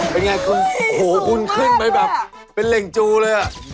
เป็นอย่างไรคุณโอ้โฮคุณขึ้นไปแบบเป็นเหล่งจูเลย